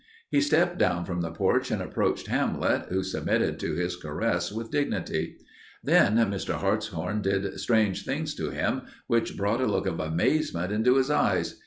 He stepped down from the porch and approached Hamlet, who submitted to his caress with dignity. Then Mr. Hartshorn did strange things to him which brought a look of amazement into his eyes.